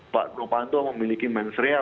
pak nopanto memiliki mensrea